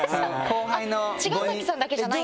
茅ヶ崎さんだけじゃないんだ？